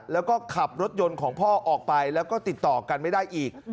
แล้วก็ขับรถยนต์ของพ่อออกไปแล้วก็ติดต่อกันไม่ได้อีก